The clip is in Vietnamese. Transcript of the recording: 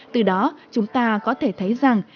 từ đó chúng ta có thể thấy rằng